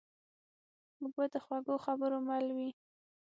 اوبه د خوږو خبرو مل وي.